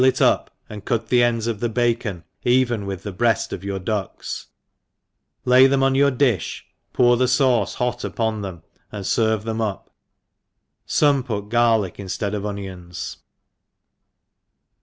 120 it up» and cut the ends of the bacon even with thebreaft of your ducks, lay them on your diih, pour the Cauce hot upon them, and ferve them up; fome put g^rlick inftead of onions.